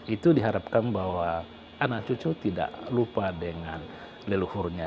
itu diharapkan bahwa anak cucu tidak lupa dengan leluhurnya